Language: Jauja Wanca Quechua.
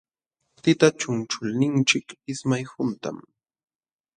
Tita chunchulninchik ismay huntam.